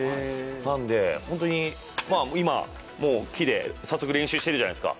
なので本当に、木で早速練習してるじゃないですか。